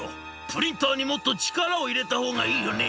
「プリンターにもっと力を入れた方がいいよね」。